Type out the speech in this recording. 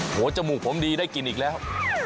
จมูกผมดีได้กินอีกแล้ว